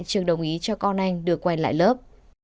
trường đồng ý cho con anh được quay lại lớp